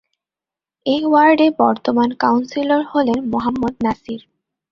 এ ওয়ার্ডের বর্তমান কাউন্সিলর হলেন মোহাম্মদ নাসির।